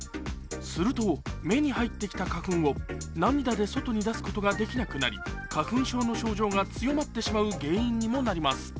すると目に入ってきた花粉を涙で外に出すことができなくなり花粉症の症状が強まってしまう原因にもなります。